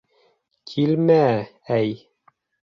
— Килмә-әй!..